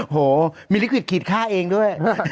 โหมีลิขิตขีดค่าเองด้วย